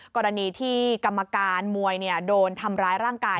กรณีที่กรรมการมวยโดนทำร้ายร่างกาย